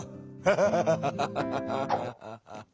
ハハハハハ。